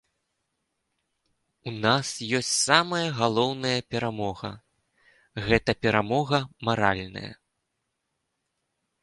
У нас ёсць самая галоўная перамога, гэта перамога маральная.